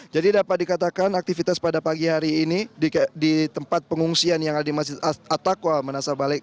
jadi dapat dikatakan aktivitas pada pagi hari ini di tempat pengungsian yang ada di masjid attaquah menasah balik